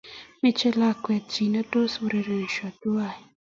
Meche lakwet chi netos urerensoo tuwai